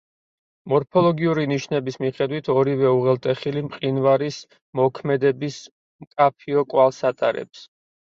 მორფოლოგიური ნიშნების მიხედვით ორივე უღელტეხილი მყინვარის მოქმედების მკაფიო კვალს ატარებს.